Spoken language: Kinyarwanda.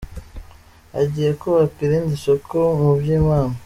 Hagiye kubakwa irindi soko mu Byimana.